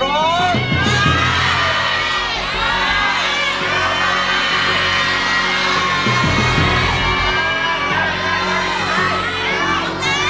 ร้องได้ร้องได้ร้องได้